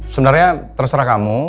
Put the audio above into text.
sebenarnya terserah kamu